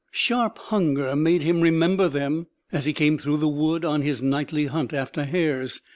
Sharp hunger made him remember them as he came through the wood on his nightly hunt after hares.